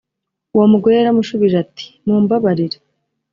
uwo mugore yaramushubije ati mumbabarire